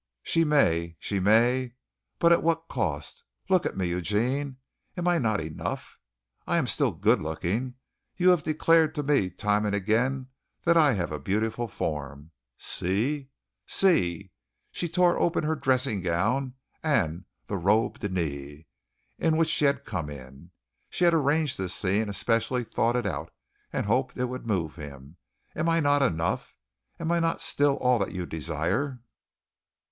"She may, she may, but at what a cost. Look at me, Eugene. Am I not enough? I am still good looking. You have declared to me time and again that I have a beautiful form. See, see" she tore open her dressing gown and the robe de nuit, in which she had come in. She had arranged this scene, especially thought it out, and hoped it would move him. "Am I not enough? Am I not still all that you desire?"